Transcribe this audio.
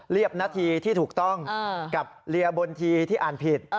นาทีที่ถูกต้องกับเรียบนทีที่อ่านผิด